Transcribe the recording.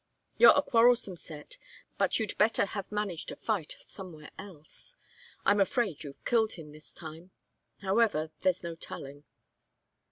You're a quarrelsome set, but you'd better have managed to fight somewhere else. I'm afraid you've killed him this time. However there's no telling."